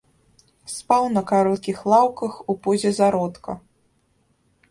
Спаў на кароткіх лаўках у позе зародка.